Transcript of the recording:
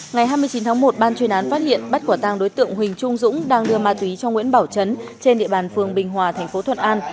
ngày hai mươi chín tháng một ban chuyên án phát hiện bắt quả tăng đối tượng huỳnh trung dũng đang đưa ma túy cho nguyễn bảo trấn trên địa bàn phường bình hòa thành phố thuận an